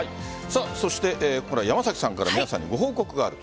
そして山崎さんから皆さんにご報告があると。